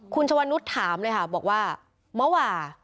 คุณชวนุษย์ถามเลยค่ะบอกว่าเมื่อวาน